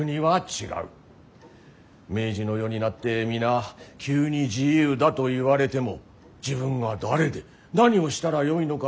明治の世になって皆急に自由だと言われても自分が誰で何をしたらよいのか分からない。